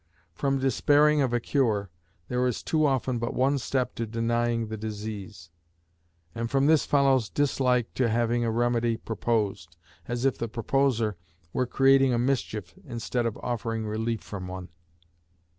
From despairing of a cure, there is too often but one step to denying the disease; and from this follows dislike to having a remedy proposed, as if the proposer were creating a mischief instead of offering relief from one.